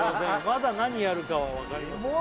まだ何やるかは分かりません